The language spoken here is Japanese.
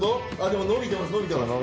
でも伸びてます